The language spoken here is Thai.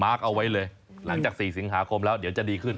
เอาไว้เลยหลังจาก๔สิงหาคมแล้วเดี๋ยวจะดีขึ้น